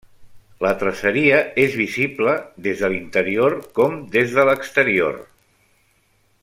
La traceria és visible des de l'interior com des de l'exterior.